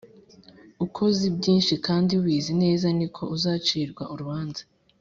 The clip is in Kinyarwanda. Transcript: uko uzi byinshi kandi ubizi neza niko uzacirwa urubanza